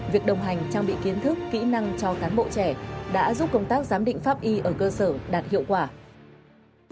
việc đồng hành trang bị kiến thức kỹ năng cho cán bộ trẻ đã giúp công tác giám định pháp y ở cơ sở đạt hiệu quả